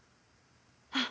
あっ！